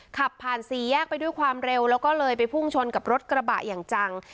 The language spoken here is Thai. ขับผ่านสี่แยกไปด้วยความเร็วแล้วก็เลยไปพุ่งชนกับรถกระบะอย่างจัง